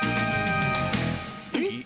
えっ？